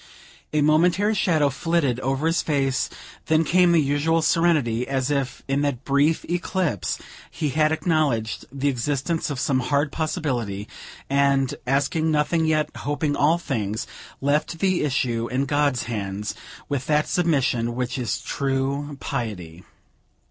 A momentary shadow flitted over his face; then came the usual serenity, as if, in that brief eclipse, he had acknowledged the existence of some hard possibility, and, asking nothing yet hoping all things, left the issue in God's hands, with that submission which is true piety.